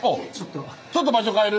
ちょっと場所変える？